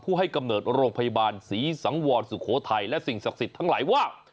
ให้กำเนิดโรงพยาบาลศรีสังวรสุโขทัยและสิ่งศักดิ์สิทธิ์ทั้งหลายว่า